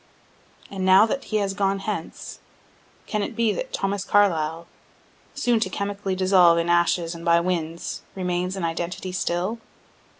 And now that he has gone hence, can it be that Thomas Carlyle, soon to chemically dissolve in ashes and by winds, remains an identity still?